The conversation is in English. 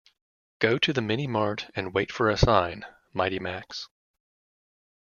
Go to the mini-mart and wait for a sign, Mighty Max.